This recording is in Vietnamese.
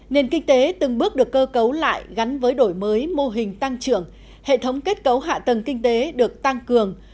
nền kinh tế từng bước được cơ cấu lại gắn với đổi mới mô hình tăng trưởng hệ thống kết cấu hạ tầng kinh tế được tăng cường